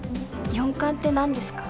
４冠ってなんですか？